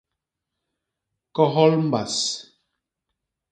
Kohol mbas.